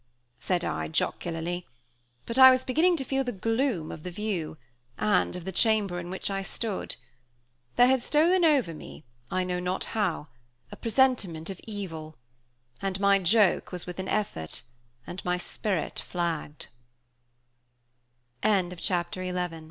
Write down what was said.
said I, jocularly: but I was beginning to feel the gloom of the view, and of the chamber in which I stood; there had stolen over me, I know not how, a presentiment of evil; and my joke was with an effort, and my spirit f